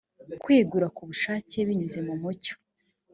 kwegura ku bushake binyuze mu mucyo